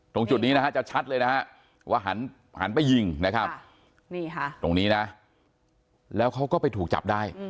ตรงจุดนี้นะฮะจะชัดเลยนะฮะว่าหันไปยิงนะครับนี่ค่ะตรงนี้นะแล้วเขาก็ไปถูกจับได้